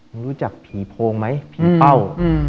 รู้จักผีโพงไหมผีเป้า